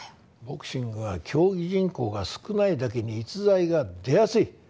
ボクシングは競技人口が少ないだけに逸材が出やすい。